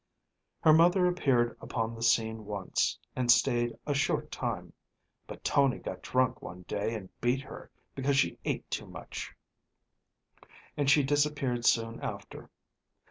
Her mother appeared upon the scene once, and stayed a short time; but Tony got drunk one day and beat her because she ate too much, and she disappeared soon after.